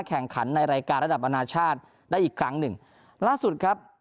แข่งขันในรายการระดับอนาชาติได้อีกครั้งหนึ่งล่าสุดครับ